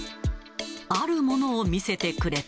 あるものを見せてくれた。